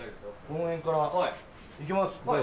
この辺から。いきます。